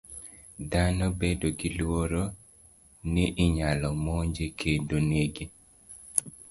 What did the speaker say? Dhano bedo gi luoro ni inyalo monje kendo nege.